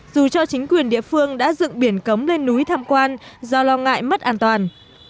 dù cho chính quyền địa phương đã dựng biển cấm lên núi tham quan do lo ngại mất an toàn